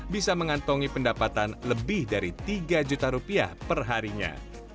bisa mengantongi pendapatan lebih dari tiga juta rupiah perharinya